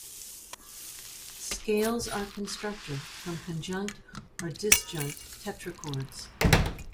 Scales are constructed from conjunct or disjunct tetrachords.